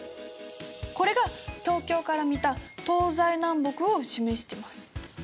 これが東京から見た東西南北を示してます。